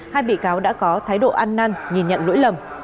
hai bị cáo đã có thái độ ăn năn nhìn nhận lỗi lầm